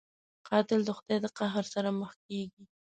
قاتل د خدای د قهر سره مخ کېږي